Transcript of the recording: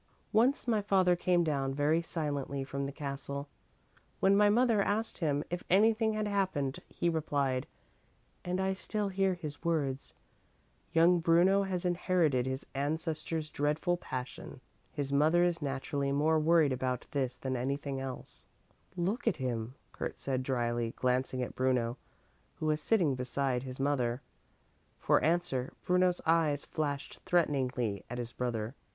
Once my father came down very silently from the castle. When my mother asked him if anything had happened he replied, and I still hear his words 'Young Bruno has inherited his ancestor's dreadful passion. His mother is naturally more worried about this than about anything else.'" "Look at him," Kurt said dryly, glancing at Bruno, who was sitting beside his mother. For answer Bruno's eyes flashed threateningly at his brother.